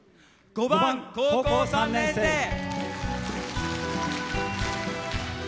５番「高校三年生」。